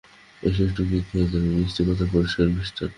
এসো, একটু কেক খেয়ে যাবে, মিষ্ট কথার পুরস্কার মিষ্টান্ন।